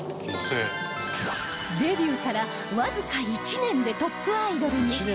デビューからわずか１年でトップアイドルに